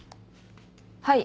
はい。